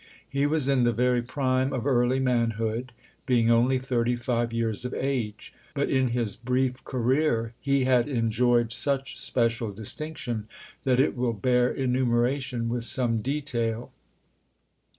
He was in the very prime of early manhood, being only thirty five years of age ; but in his brief career he had en joyed such special distinction that it will bear enumeration with some detail.